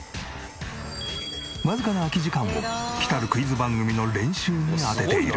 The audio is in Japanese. わずかな空き時間も来たるクイズ番組の練習にあてている。